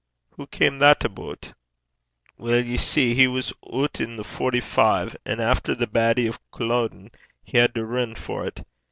'Hoo cam that aboot?' 'Weel, ye see, he was oot i' the Forty five; and efter the battle o' Culloden, he had to rin for 't.